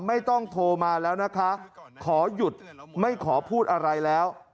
ไม่ต้องโทรมาแล้วนะคะขอหยุดไม่ขอพูดอะไรแล้ว